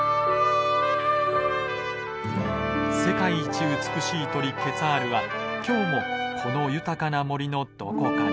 世界一美しい鳥ケツァールは今日もこの豊かな森のどこかに。